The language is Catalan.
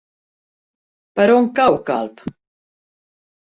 Per on cau Calp?